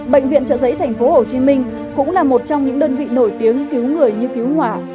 bệnh viện trợ giấy tp hcm cũng là một trong những đơn vị nổi tiếng cứu người như cứu hỏa